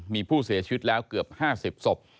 มีผู้เสียชีวิตแล้วเกือบ๕๐ศพ